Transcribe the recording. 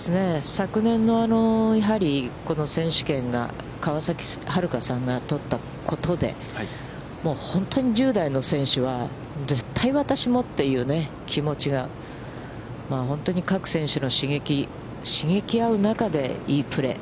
昨年の、この選手権が川崎春花さんが取ったことで、もう本当に１０代の選手は、絶対私もというね、気持ちが、本当に各選手の刺激、刺激合う中で、いいプレー。